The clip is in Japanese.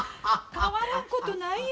変わらんことないよ。